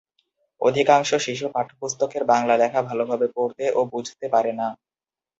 অধিকাংশ শিশু পাঠ্যপুস্তকের বাংলা লেখা ভালোভাবে পড়তে ও বুঝতে পারে না।